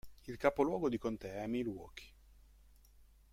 Il capoluogo di contea è Milwaukee.